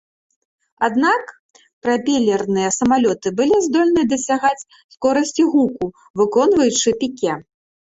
Аднак, прапелерныя самалёты былі здольныя дасягаць скорасці гуку, выконваючы піке.